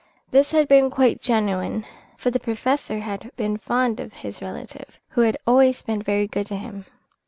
This had been quite genuine, for the Professor had been fond of his relative, who had always been very good to him.